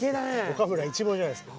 岡村一望じゃないですか。